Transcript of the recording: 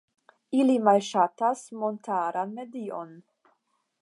Ili malŝatas montaran medion.